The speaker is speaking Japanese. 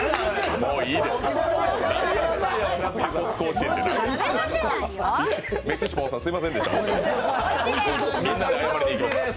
もういいです。